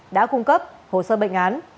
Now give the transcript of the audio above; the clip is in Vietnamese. đã cung cấp hồ sơ bệnh án